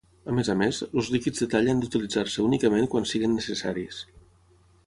A més a més, els líquids de tall han d'utilitzar-se únicament quan siguin necessaris.